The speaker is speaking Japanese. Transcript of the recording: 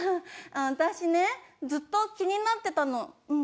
私ねずっと気になってたの。